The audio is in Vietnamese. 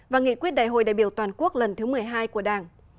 và nghị quyết đại hội đại biểu toàn quốc lần thứ một mươi hai của đảng